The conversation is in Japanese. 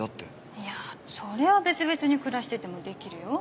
いやそれは別々に暮らしててもできるよ。